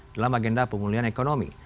dalam agenda pemulihan ekonomi